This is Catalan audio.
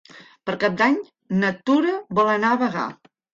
Per Cap d'Any na Tura vol anar a Bagà.